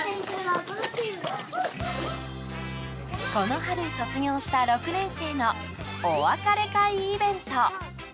この春卒業した６年生のお別れ会イベント。